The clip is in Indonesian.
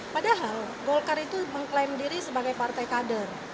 padahal golkar itu mengklaim diri sebagai partai kader